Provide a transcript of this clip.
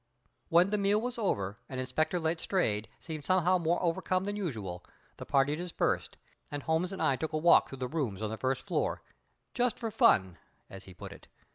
When the meal was over, and Inspector Letstrayed seemed somewhat more overcome than usual, the party dispersed, and Holmes and I took a walk through the rooms on the first floor, "just for fun," as he put it.